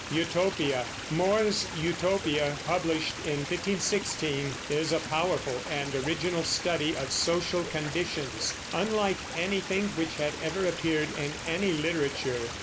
More's Utopia, published in 1516, is a powerful and original study of social conditions, unlike anything which had ever appeared in any literature.